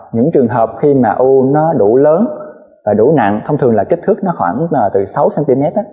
những trường hợp khi mà u nó đủ lớn và đủ nặng thông thường là kích thước nó khoảng là từ sáu cm